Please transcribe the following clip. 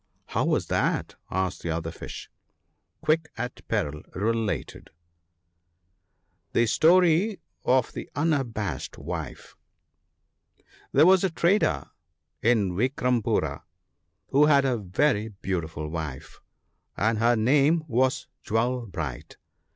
* How was that ?' asked the other fish. Quick at peril related :— (jClje <§tatp of tfje Hna6a$jeti D£tfe* 'HERE was a trader in Vikrama poora, who had a very beautiful wife, and her name was Jewel bright.